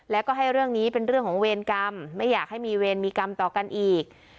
แล้วก็ให้เรื่องนี้เป็นเรื่องของเวรกรรมไม่อยากให้มีเวรมีกรรมต่อกันอีก